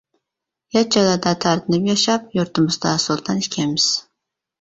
يات جايلاردا تارتىنىپ ياشاپ، يۇرتىمىزدا «سۇلتان» ئىكەنمىز.